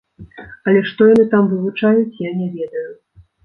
Але што яны там вывучаюць, я не ведаю.